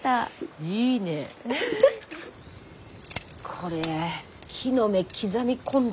これ木の芽刻み込んだ